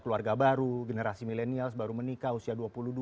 keluarga baru generasi milenial baru menikah usia dua puluh dua